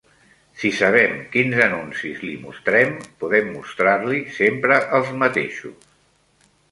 Si sabem quins anuncis li mostrem, podem mostrar-li sempre els mateixos.